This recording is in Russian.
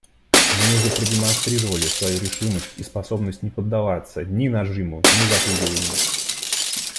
Мы уже продемонстрировали свою решимость и способность не поддаваться ни нажиму, ни запугиванию.